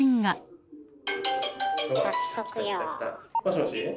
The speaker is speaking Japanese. もしもし？